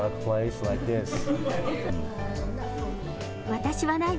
私はないわ。